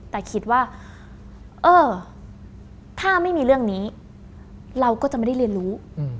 แต่คิดว่าเออถ้าไม่มีเรื่องนี้เราก็จะไม่ได้เรียนรู้